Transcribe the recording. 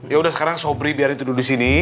yaudah sekarang sobri biarin tidur disini